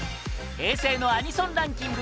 平成のアニソンランキング